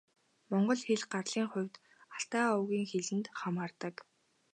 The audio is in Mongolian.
Монгол хэл гарлын хувьд Алтай овгийн хэлэнд хамаардаг.